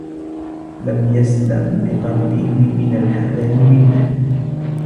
لَمْ يَسْلَمْ بِقَلْبِهِ مِنْ الْحَذَرِ مِنْهُ